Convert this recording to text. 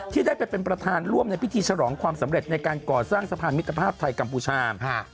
ที่ได้ไปเป็นประธานร่วมในพิธีฉลองความสำเร็จในการก่อสร้างสะพานมิตรภาพไทยกัมพูชา